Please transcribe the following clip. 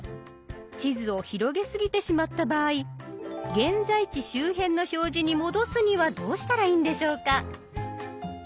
地図を広げすぎてしまった場合現在地周辺の表示に戻すにはどうしたらいいんでしょうか？